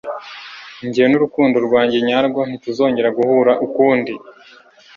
njye n'urukundo rwanjye nyarwo nti tuzongera guhura ukundi